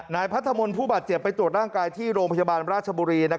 พัทธมนต์ผู้บาดเจ็บไปตรวจร่างกายที่โรงพยาบาลราชบุรี